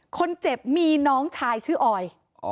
คนเจ็บมีน้องชายชื่อออย